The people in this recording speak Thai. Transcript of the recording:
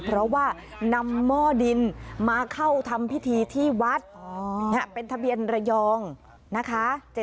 เพราะว่านำหม้อดินมาเข้าทำพิธีที่วัดเป็นทะเบียนระยองนะคะ